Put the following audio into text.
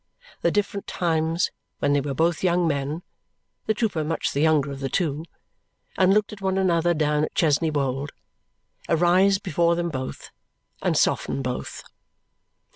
The different times when they were both young men (the trooper much the younger of the two) and looked at one another down at Chesney Wold arise before them both and soften both.